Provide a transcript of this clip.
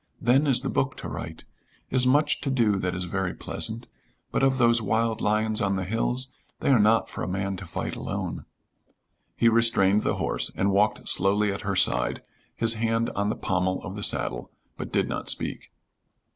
Then is the book to write. Is much to do that is very pleasant. But of those wild lions on the hills, they are not for a man to fight alone." He restrained the horse, and walked slowly at her side, his hand on the pommel of the saddle, but did not speak.